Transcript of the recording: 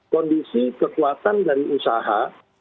kondisi kekuatan dari usaha